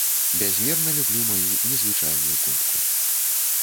Бязмерна люблю маю незвычайную котку.